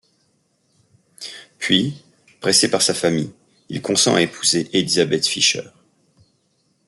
Puis, pressé par sa famille, il consent à épouser Élisabeth Fischer.